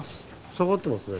下がってますね。